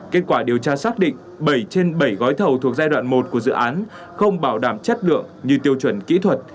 kết quả điều tra xác định bảy trên bảy gói thầu thuộc giai đoạn một của dự án không bảo đảm chất lượng như tiêu chuẩn kỹ thuật